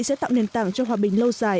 sẽ tạo nền tảng cho hòa bình lâu dài